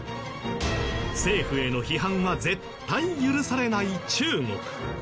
政府への批判は絶対許されない中国。